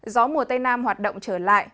gió mùa tây nam hoạt động trở lại